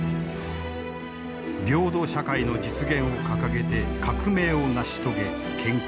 平等社会の実現を掲げて革命を成し遂げ建国。